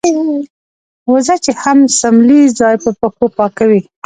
وزه چې هم څملې ځای په پښو پاکوي.